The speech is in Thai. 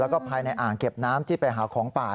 แล้วก็ภายในอ่างเก็บน้ำที่ไปหาของป่า